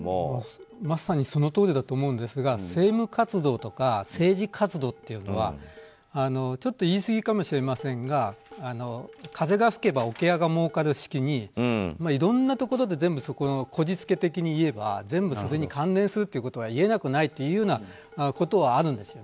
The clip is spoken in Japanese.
まさに、そのとおりだと思うんですが政務活動とか政治活動っていうのはちょっと言い過ぎかもしれませんが風が吹けば桶屋がもうかる式にいろんなところでこじ付け的にいえば全部それに関連することが言えなくないというようなことはあるんです。